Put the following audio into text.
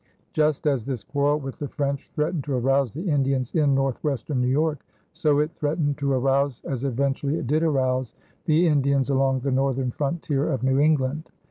Just as this quarrel with the French threatened to arouse the Indians in northwestern New York, so it threatened to arouse, as eventually it did arouse, the Indians along the northern frontier of New England.